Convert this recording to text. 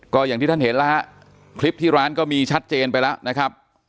ก็อย่างที่ท่านเห็นแล้วฮะคลิปที่ร้านก็มีชัดเจนไปแล้วนะครับ